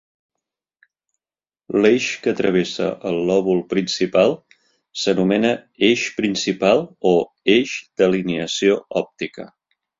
L'eix que travessa el lòbul principal s'anomena "eix principal" o "eix d'alineació òptica".